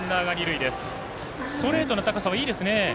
ストレートの高さはいいですね。